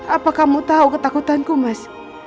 apa kamu tahu ketakutanku mas